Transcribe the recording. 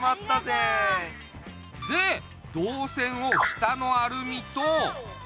でどうせんを下のアルミと。